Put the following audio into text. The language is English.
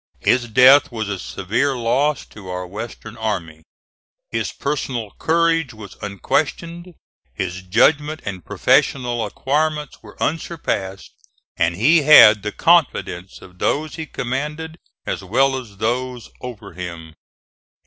His death was a severe loss to our western army. His personal courage was unquestioned, his judgment and professional acquirements were unsurpassed, and he had the confidence of those he commanded as well as of those over him.